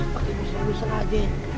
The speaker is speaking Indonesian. pakai busur busur aja